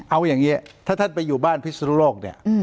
เอาอย่างนี้ถ้าท่านไปอยู่บ้านพิศนุโลกเนี่ย